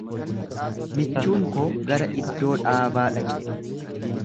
Michuun koo gara iddoo dhaabaa dhaqe.